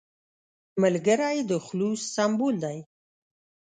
ملګری د خلوص سمبول دی